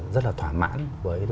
rất là thoả mãn với